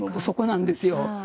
そこなんですよ。